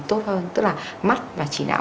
tốt hơn tức là mắt và trí não